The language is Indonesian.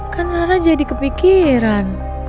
kan rara jadi kepikiran